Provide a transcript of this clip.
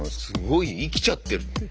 すごい生きちゃってる。